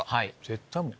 絶対もう。